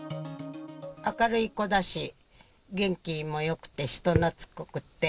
明るい子だし、元気もよくて、人なつっこくて。